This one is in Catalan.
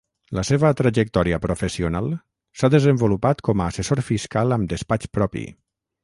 La seva trajectòria professional s'ha desenvolupat com a assessor fiscal amb despatx propi.